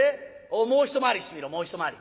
もう一回りしてみろもう一回り。